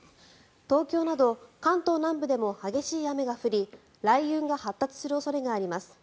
東京など関東南部でも激しい雨が降り雷雲が発達する恐れがあります。